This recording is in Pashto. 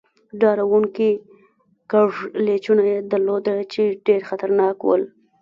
ډار و ر و نکي کږلېچونه يې درلودل، چې ډېر خطرناک ول.